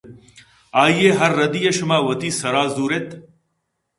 آئی ءِ ہرردی ءَ شما وتی سرا زوراِت